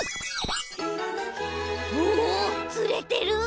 おおつれてる！